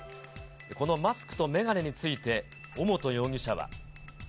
このマスクと眼鏡について、尾本容疑者は。